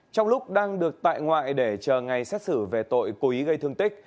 trong lúc đang được tại ngoại để chờ ngày xét xử về tội cố ý gây thương tích